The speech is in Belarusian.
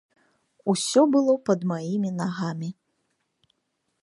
Усё было пад маімі нагамі.